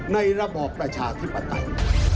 ระบอบประชาธิปไตย